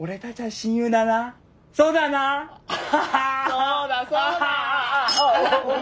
そうだそうだ！